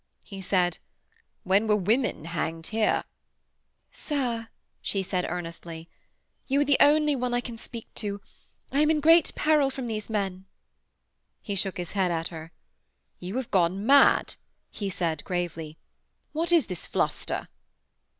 He said: 'When were women hanged here?' 'Sir,' she said earnestly, 'you are the only one I can speak to. I am in great peril from these men.' He shook his head at her. 'You have gone mad,' he said gravely. 'What is this fluster?'